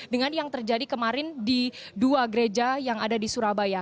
dengan yang terjadi kemarin di dua gereja yang ada di surabaya